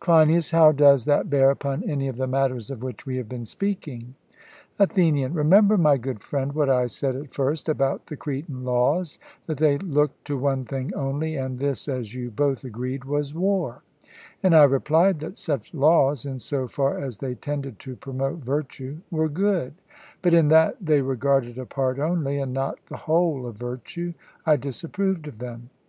CLEINIAS: How does that bear upon any of the matters of which we have been speaking? ATHENIAN: Remember, my good friend, what I said at first about the Cretan laws, that they looked to one thing only, and this, as you both agreed, was war; and I replied that such laws, in so far as they tended to promote virtue, were good; but in that they regarded a part only, and not the whole of virtue, I disapproved of them.